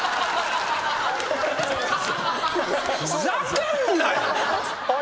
ふざけんなよ！